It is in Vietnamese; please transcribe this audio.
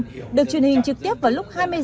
chương trình nghệ thuật nhớ mãi ơn người hồ chí minh